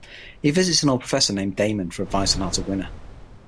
He visits an old professor named Daemon for advice on how to win her.